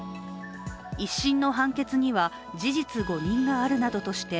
１審の判決には事実誤認があるなどとして